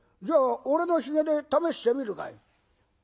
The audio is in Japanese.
じゃあ俺のひげで試してみるかい？